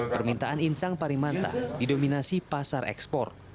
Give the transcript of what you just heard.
permintaan insang parimanta didominasi pasar ekspor